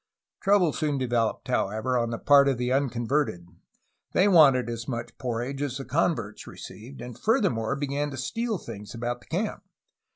Trouble soon developed, however, on the part of the unconverted. They wanted as much porridge as the con verts received, and furthermore began to steal things about the camp.